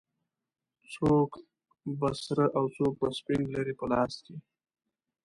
څوک به سره او څوک به سپین لري په لاس کې